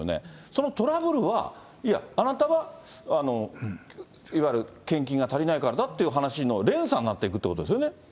そのトラブルは、いや、あなたは、いわゆる献金が足りないからだっていう話の連鎖になっていくということですよね。